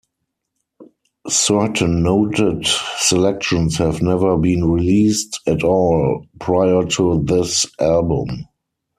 Certain noted selections have never been released at all prior to this album.